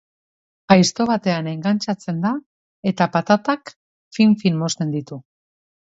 Aizto batean engantxatzen da eta patatak fin-fin mozten ditu.